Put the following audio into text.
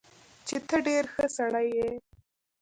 چې تۀ ډېر ښۀ سړے ئې